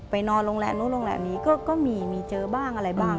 ไปนอนโรงแล็บนู้นโรงแล็บนี้ก็มีเจอบ้างอะไรบ้าง